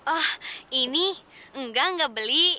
oh ini enggak enggak beli